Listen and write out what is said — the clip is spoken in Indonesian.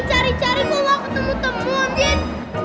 dicari cari kalau aku temu temu amjin